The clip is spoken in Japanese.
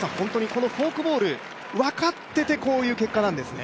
このフォークボール、分かっていてこういう結果なんですね？